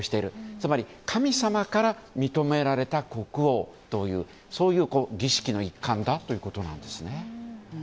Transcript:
つまり神様から認められた国王というそういう儀式の一環だということなんですね。